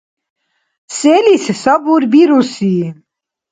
Селис сабурбируси?